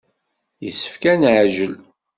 Yessefk ad neɛjel.